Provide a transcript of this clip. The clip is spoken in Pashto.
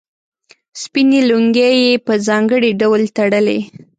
سپینې لونګۍ یې په ځانګړي ډول تړلې.